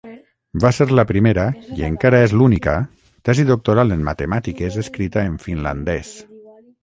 Va ser la primera, i encara és l'única, tesi doctoral en matemàtiques escrita en finlandès.